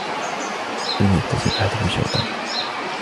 ألم يتصل أحدهم بالشرطة؟